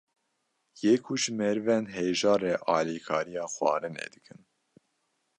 yê ku ji merivên hejar re alîkariya xwarinê dikin